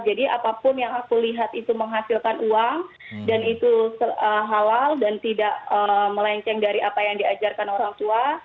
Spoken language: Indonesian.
jadi apapun yang aku lihat itu menghasilkan uang dan itu halal dan tidak melenceng dari apa yang diajarkan orang tua